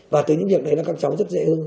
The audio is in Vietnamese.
và từ những việc đấy là các cháu rất dễ hơn